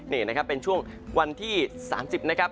นี่นะครับเป็นช่วงวันที่๓๐นะครับ